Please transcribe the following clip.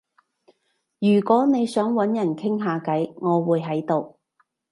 如果你想搵人傾下偈，我會喺度